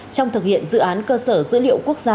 trong thực hiện dự án cơ sở dữ liệu quốc gia